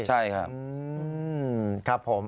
ใช่ครับ